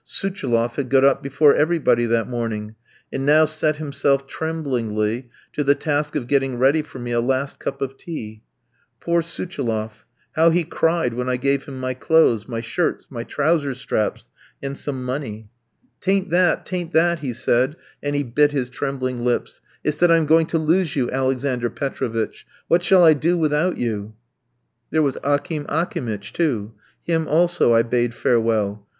Souchiloff had got up before everybody that morning, and now set himself tremblingly to the task of getting ready for me a last cup of tea. Poor Souchiloff! How he cried when I gave him my clothes, my shirts, my trouser straps, and some money. "'Tain't that, 'tain't that," he said, and he bit his trembling lips, "it's that I am going to lose you, Alexander Petrovitch! What shall I do without you?" There was Akim Akimitch, too; him, also, I bade farewell.